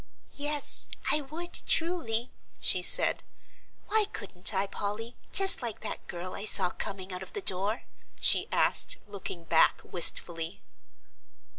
"Yes, I would truly," she said. "Why couldn't I, Polly, just like that girl I saw coming out of the door?" she asked, looking back wistfully.